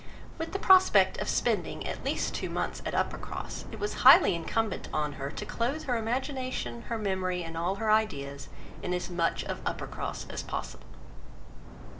With the prospect of spending at least two months at Uppercross, it was highly incumbent on her to clothe her imagination, her memory, and all her ideas in as much of Uppercross as possible.